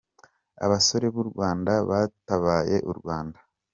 abasore b’u Rwanda batabaye u Rwanda.